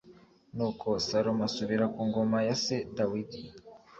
nuko salomo asubira ku ngoma ya se dawidi